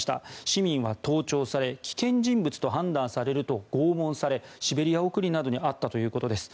市民は盗聴され危険人物と判断されると拷問されシベリア送りなどに遭ったということです。